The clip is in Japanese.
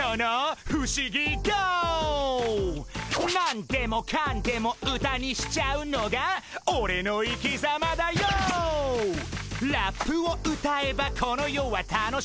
「何でもかんでも歌にしちゃうのがオレの生きざまダＹＯ」「ラップを歌えばこの世は楽し」